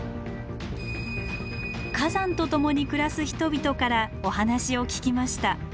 火山と共に暮らす人々からお話を聞きました。